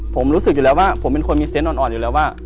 ผมรู้สึกอยู่แล้วว่าผมเป็นคนมีเซนต์อ่อนอยู่แล้วว่า